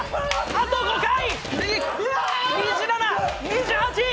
あと５回。